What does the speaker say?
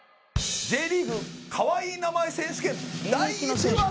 Ｊリーグかわいい名前選手権第１位は。